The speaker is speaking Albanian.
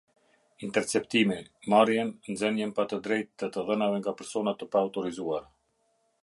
Interceptimi - marrjen, nxënien pa të drejtë të të dhënave nga persona të paautorizuar.